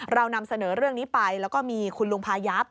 เรานำเสนอเรื่องนี้ไปแล้วก็มีคุณลุงพายับ